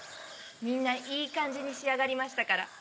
みんないい感じに仕上がりましたから。